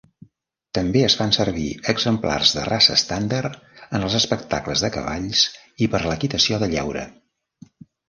També es fan servir exemplars de raça estàndard en els espectacles de cavalls i per a l'equitació de lleure.